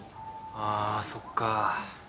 ああそっか。